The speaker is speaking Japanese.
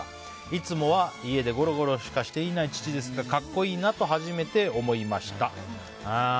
いつもは家でゴロゴロしかしていない父ですが格好いいなと初めて思いました。